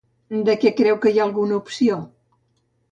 De què creu que hi ha alguna opció?